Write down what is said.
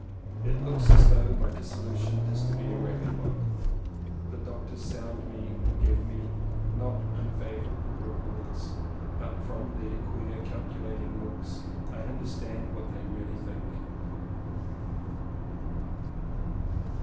It looks as though my dissolution is to be a rapid one. The doctors sound me and give not unfavorable reports, but from their queer, calculating looks, I understand what they really think.